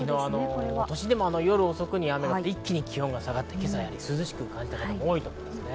都心でも夜遅くに雨が降り、一気に気温が下がって、今朝は涼しく感じた方も多かったと思います。